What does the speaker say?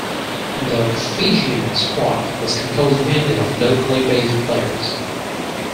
The Fijian squad was composed mainly of locally based players.